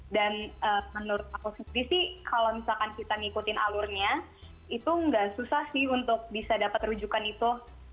dan menurut aku sendiri sih kalau misalkan kita ngikutin alurnya itu nggak susah sih untuk bisa dapat rujukan itu